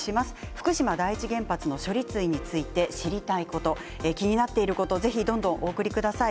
福島第一原発の処理水について知りたいこと気になっているということをぜひどんどんお送りください。